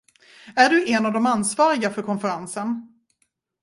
Är du en av de ansvariga för konferensen?